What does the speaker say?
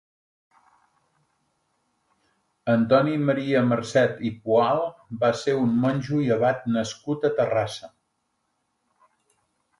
Antoni Maria Marcet i Poal va ser un monjo i abat nascut a Terrassa.